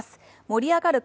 盛り上がる